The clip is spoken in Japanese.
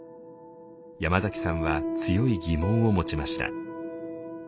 山崎さんは強い疑問を持ちました。